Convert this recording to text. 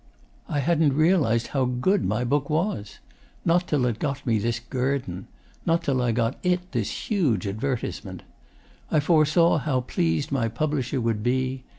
I hadn't realised how good my book was not till it got me this guerdon; not till I got it this huge advertisement. I foresaw how pleased my publisher would be.